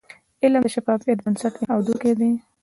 علم د شفافیت بنسټ ایښودونکی د.